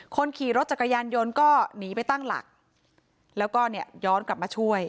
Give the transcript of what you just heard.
คนขี่รถจักรยานยนต์ก็หนีไปตั้งหลักแล้วก็เนี่ยย้อนกลับมาช่วย